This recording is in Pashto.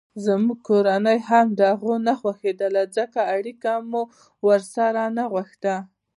زموږ کورنۍ هم دهغو نه خوښېدله ځکه اړیکه مو ورسره نه غوښته.